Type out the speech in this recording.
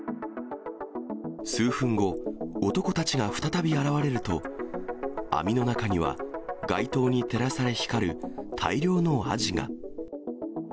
数分後、男たちが再び現れると、網の中には、街灯に照らされ光る大量のアジが。